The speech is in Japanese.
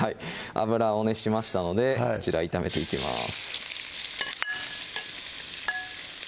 油を熱しましたのでこちら炒めていきます